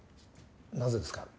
なぜですか？